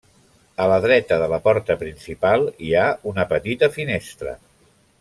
A la dreta de la porta principal, hi ha una petita finestra.